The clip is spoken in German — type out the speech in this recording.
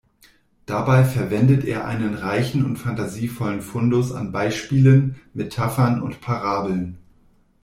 Dabei verwendet er einen reichen und phantasievollen Fundus an Beispielen, Metaphern und Parabeln.